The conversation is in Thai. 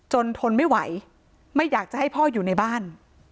ทนไม่ไหวไม่อยากจะให้พ่ออยู่ในบ้าน